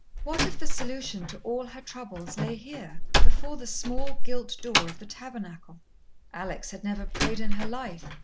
What if the solution to all her troubles lay here, before the small gilt door of the tabernacle? Alex had never prayed in her life.